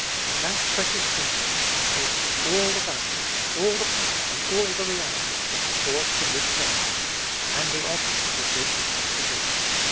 That precious principle partakes of all the value, all the power, and all the reality of the source from whence it emanates, and the object with which it has to do.